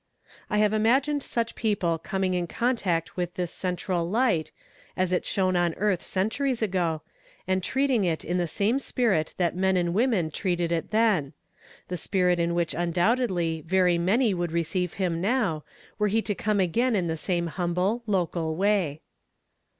I have imagined such people coming in contact with this central Light, as it shone on earth centuries ago, and treating it in the same spirit that men and women treated it then ; the spirit in which undoubtedly very many would receive him now, were he to come again in the same humble, local way.